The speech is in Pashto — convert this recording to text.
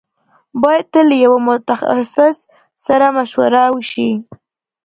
بايد تل له يوه متخصص سره مشوره وشي.